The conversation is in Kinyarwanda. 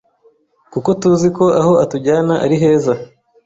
kuko tuzi ko aho atujyana ari heza.